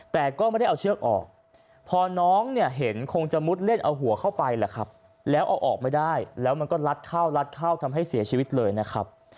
แต่ก็ไม่ได้เอาเชือกออกพอน้องเนี่ยเห็นคงจะมุดเล่นเอาหัวเข้าไปแหละครับแล้วเอาออกไม่ได้แล้วมันก็ลัดเข้าลัดเข้าทำให้เสียชีวิตเลยนะครับ